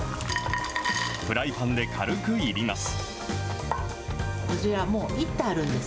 フライパンで軽くいります。